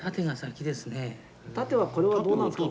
縦はこれはどうなんですか？